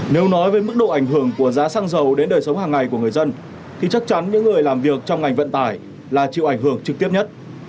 nếu nói về mức độ ảnh hưởng của giá xăng dầu đến đời sống hàng ngày của người dân thì chắc chắn những người làm việc trong ngành vận tải là chịu ảnh hưởng trực tiếp nhất